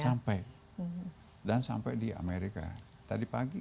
sampai dan sampai di amerika